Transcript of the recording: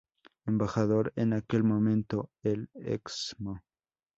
Embajador en aquel momento, el Excmo.